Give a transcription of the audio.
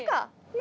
何？